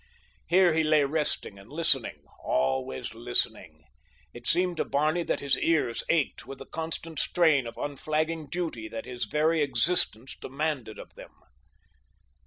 Here he lay resting and listening—always listening. It seemed to Barney that his ears ached with the constant strain of unflagging duty that his very existence demanded of them.